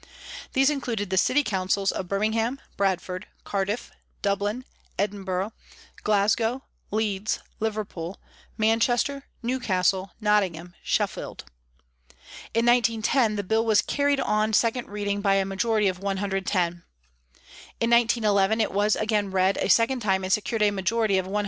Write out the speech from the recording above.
These included the city councils of Birmingham, Bradford, Cardiff, Dublin, Edinburgh, Glasgow, Leeds, Liverpool, Manchester, Newcastle, Nottingham, Sheffield. In 1910 the Bill was carried on second reading by a majority of 110. In 1911 it was again read a second time and secured a majority of 167.